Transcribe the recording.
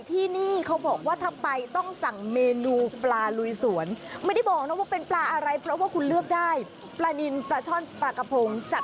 นี่นี่ไงสไลเดอร์โอ้ยสไลเดอร์ดัง